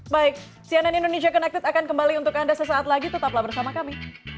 baik cnn indonesia connected akan kembali untuk anda sesaat lagi tetaplah bersama kami